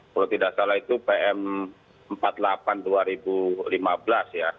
kalau tidak salah itu pm empat puluh delapan dua ribu lima belas ya